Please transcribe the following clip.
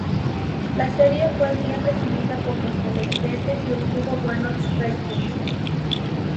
La serie fue bien recibida por los televidentes y obtuvo buenos ratings.